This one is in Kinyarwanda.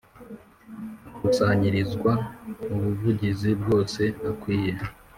akusanyirizwa ubuvugizi bwose akwiye